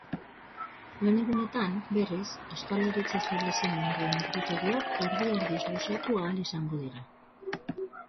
Lanegunetan, berriz, ostalaritza establezimenduen ordutegiak ordu erdiz luzatu ahal izango dira.